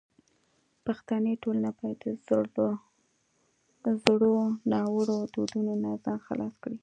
پښتني ټولنه باید د زړو ناوړو دودونو نه ځان خلاص کړي.